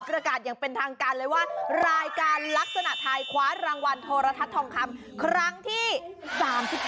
ประกาศยังเป็นทางการเลยว่ารายการลักษณะไทยคว้ารางวัลโทรทัศน์ทองคำครั้งที่๓๗นะคะยินดีด้วย